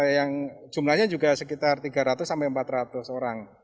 yang jumlahnya juga sekitar tiga ratus sampai empat ratus orang